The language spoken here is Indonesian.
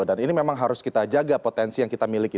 dan ini memang harus kita jaga potensi yang kita miliki